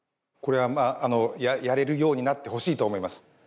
これはまあやれるようになってほしいと思います。